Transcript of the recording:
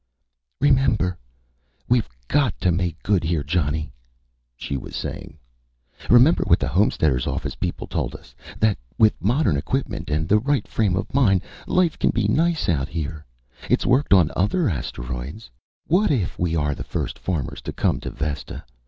"Remember we've got to make good here, Johnny," she was saying. "Remember what the Homesteaders Office people told us that with modern equipment and the right frame of mind, life can be nice out here. It's worked on other asteroids. What if we are the first farmers to come to Vesta?...